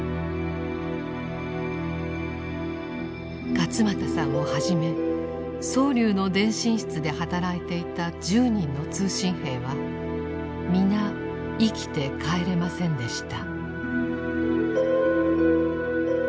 勝又さんをはじめ蒼龍の電信室で働いていた１０人の通信兵は皆生きて帰れませんでした。